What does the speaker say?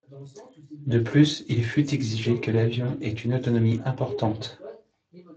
De plus, il fut exigé que l'avion ait une autonomie importante.